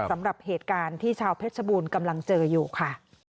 สำหรับเหตุการณ์ที่ชาวเพชรบูรณ์กำลังเจออยู่ค่ะ